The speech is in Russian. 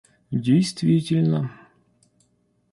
действительно